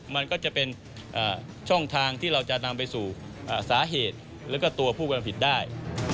มันก็จะเป็นช่องทางที่เราจะนำไปสู่สาเหตุแล้วก็ตัวผู้กระทำผิดได้